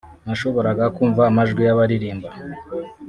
nashoboraga kumva amajwi y’abaririmba